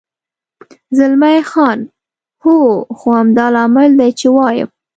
زلمی خان: هو، خو همدا لامل دی، چې وایم.